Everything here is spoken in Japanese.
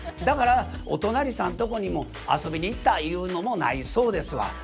だからお隣さんとこにも遊びに行ったゆうのもないそうですわ。